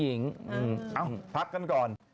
เอ้าพักกันก่อน